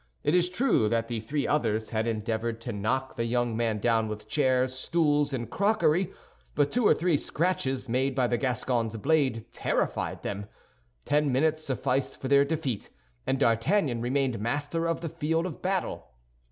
It is true that the three others had endeavored to knock the young man down with chairs, stools, and crockery; but two or three scratches made by the Gascon's blade terrified them. Ten minutes sufficed for their defeat, and D'Artagnan remained master of the field of battle.